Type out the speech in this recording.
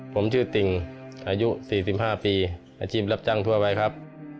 ผมชื่อติ่งอายุ๔๕ปีอาชีพรับจ้างทั่วไปครับ